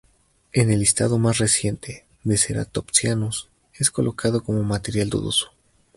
En el listado más reciente de ceratopsianos es colocado como material dudoso.